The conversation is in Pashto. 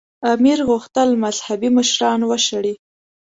امیر غوښتل مذهبي مشران وشړي.